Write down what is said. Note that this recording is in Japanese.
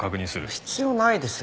必要ないですよ。